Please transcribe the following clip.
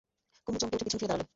কুমু চমকে উঠে পিছন ফিরে দাঁড়ালে।